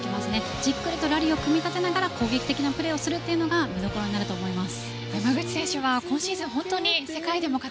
じっくりとラリーを組み立てながら攻撃的なプレーをするというのが見どころになると思います。